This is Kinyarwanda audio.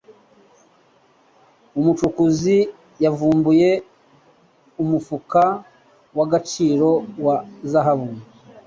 Umucukuzi yavumbuye umufuka w'agaciro wa zahabu.